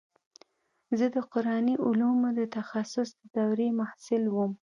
زه د قراني علومو د تخصص د دورې محصل وم.